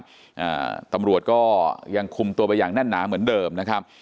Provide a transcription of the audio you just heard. อ่าตำรวจก็ยังคุมตัวไปอย่างแน่นหนาเหมือนเดิมนะครับ